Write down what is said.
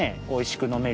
おいしい？